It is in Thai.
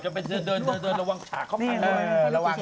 แต่ลุคน่ะมึงอยากจะไปเดินระวัง